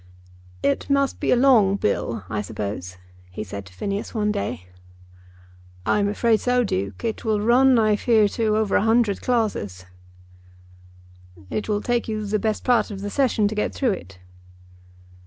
"It must be a long Bill, I suppose?" he said to Phineas one day. "I'm afraid so, Duke. It will run, I fear, to over a hundred clauses." "It will take you the best part of the Session to get through it?"